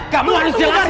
kamu harus jelasin